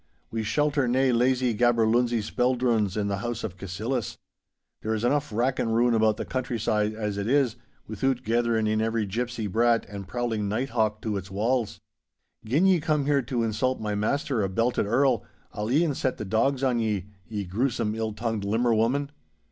We shelter nae lazy gaberlunzie speldrons in the house of Cassillis. There is enough rack and ruin about the countryside as it is, withoot gatherin' in every gipsy brat and prowling night hawk to its walls. Gin ye come here to insult my master, a belted Earl, I'll e'en set the dowgs on ye, ye gruesome ill tongued limmer woman!